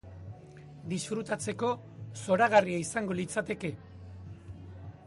Disfrutatzeko, zoragarria izango litzateke.